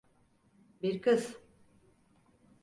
Bir kız.